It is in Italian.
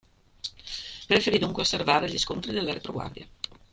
Preferì dunque osservare gli scontri dalla retroguardia.